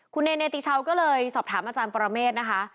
คุณเนติชาวก็เลยสอบถามอาจารย์ปรเมฆนะคะ